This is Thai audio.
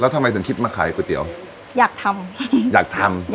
อ๋อแล้วทำไมสนทริปมาขายก๋วยเตี๋ยวอยากทำอยากทำอยากทำ